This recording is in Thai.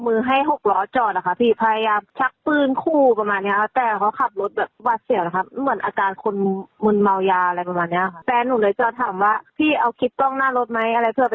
เขาบอกว่าเขาไม่อยากทำอะไรประมาณนี้